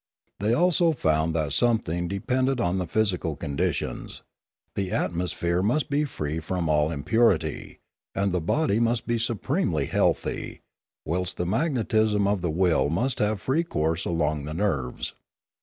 They also found that something depended on the physical conditions; the atmosphere must be free from all impurity, and the body must be supremely healthy, whilst the magnetism of the will must have free course along the nerves.